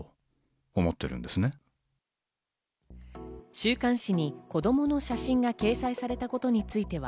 週刊誌に子供の写真が掲載されたことについては、